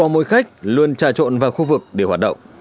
mỗi khách luôn trà trộn vào khu vực để hoạt động